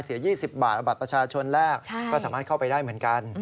๒๐บาทเอาบัตรประชาชนแรกก็สามารถเข้าไปได้เหมือนกัน